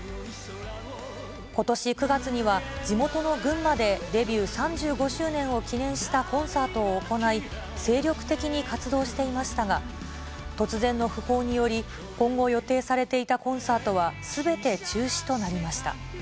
ことし９月には、地元の群馬でデビュー３５周年を記念したコンサートを行い、精力的に活動していましたが、突然の訃報により、今後、予定されていたコンサートはすべて中止となりました。